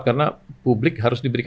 karena publik harus dikemudikan